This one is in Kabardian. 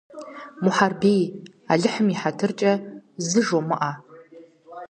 Мухьэрбий, Алыхьым и хьэтыркӀэ, зы жумыӀэ.